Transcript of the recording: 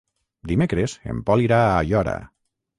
Dimecres en Pol irà a Aiora.